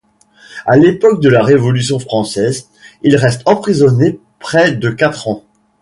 À l'époque de la Révolution française il reste emprisonné près de quatre ans.